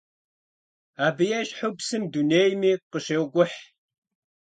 Абы ещхьу псым дунейми къыщекӀухь.